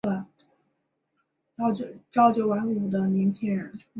拟螺距翠雀花为毛茛科翠雀属下的一个种。